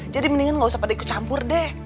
jadi mendingan gak usah pada ikut campur deh